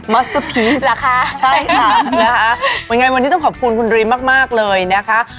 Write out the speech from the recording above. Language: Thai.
มัสเตอร์พีสใช่ค่ะนะคะวันไงวันนี้ต้องขอบคุณคุณดริมมากเลยนะคะ